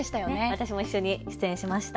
私も一緒に出演しました。